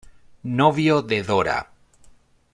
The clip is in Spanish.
Novio de Dora.